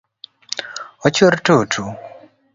Ochuer tutu?